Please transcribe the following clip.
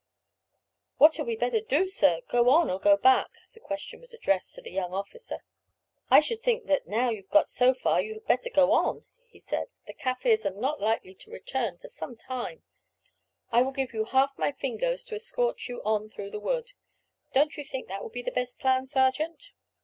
"What had we better do, sir go on or go back?" This question was addressed to the young officer. "I should think that now you have got so far you had better go on," he said. "The Kaffirs are not likely to return for some little time. I will give you half my Fingoes to escort you on through the wood. Don't you think that will be the best plan, sergeant?"